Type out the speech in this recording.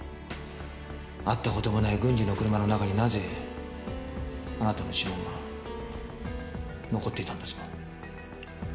会った事もない軍司の車の中になぜあなたの指紋が残っていたんですか？